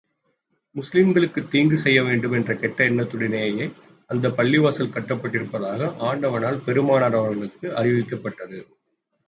முஸ்லிம்களுக்குத் தீங்கு செய்ய வேண்டும் என்ற கெட்ட எண்ணத்துடனேயே, அந்தப் பள்ளிவாசல் கட்டப்பட்டிருப்பதாக, ஆண்டவனால் பெருமானார் அவர்களுக்கு அறிவிக்கப்பட்டது.